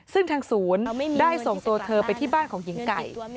ซึ่งทางศูนย์ได้ส่งตัวเธอไปที่บ้านของหญิงไก่